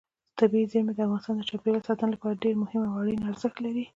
طبیعي زیرمې د افغانستان د چاپیریال ساتنې لپاره ډېر مهم او اړین ارزښت لري.